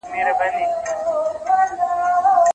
په څپو د اباسین دي خدای لاهو کړه کتابونه